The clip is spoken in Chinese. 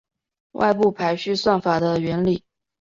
外部排序算法的原理